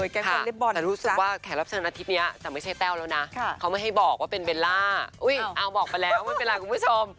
แต่รู้สึกว่าแขกรับเชิญอาทิตย์นี้จะไม่ใช่แต้วแล้วนะเขาไม่ให้บอกว่าเป็นเบลล่าเอาบอกไปแล้วไม่เป็นไรคุณผู้ชม